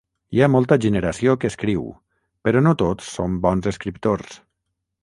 Hi ha molta generació que escriu, però no tots són bons escriptors.